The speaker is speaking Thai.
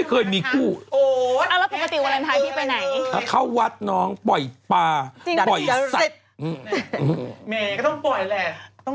กูมีคู่นิกานกูไม่ได้ตื่น๊ะ